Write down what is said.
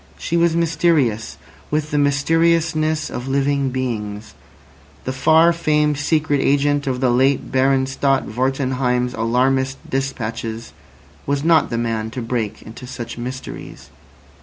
She was mysterious, with the mysteriousness of living beings. The far famed secret agent [delta] of the late Baron Stott Wartenheim's alarmist despatches was not the man to break into such mysteries.